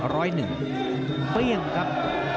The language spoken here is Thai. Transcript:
ร้อยหนึ่งเปรี้ยงครับ